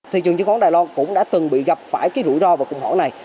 thị trường chứng khoán đài loan cũng đã từng bị gặp phải cái rủi ro và khủng hoảng này